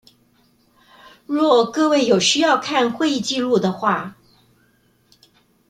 若各位有需要看會議紀錄的話